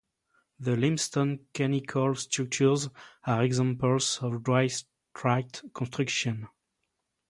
The limestone conical structures, are examples of dry stacked construction.